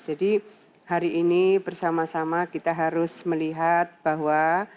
jadi hari ini bersama sama kita harus melihat bahwa